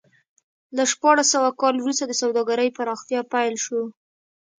له شپاړس سوه کال وروسته د سوداګرۍ پراختیا پیل شو.